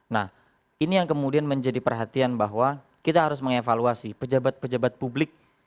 nah ini yang kemudian menjadi perhatian bahwa kita harus mengevaluasi pejabat pejabat publik